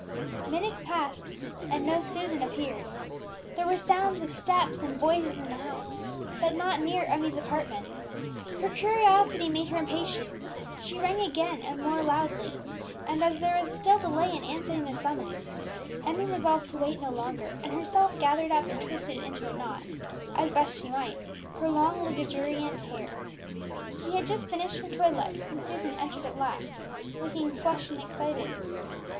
Minutes passed, and no Susan appeared. There were sounds of steps and voices in the house, but not near Emmie's apartment. Her curiosity made her impatient; she rang again, and more loudly; and as there was still delay in answering the summons, Emmie resolved to wait no longer, and herself gathered up and twisted into a knot, as best she might, her long, luxuriant hair. She had just finished her toilette when Susan entered at last, looking flushed and excited.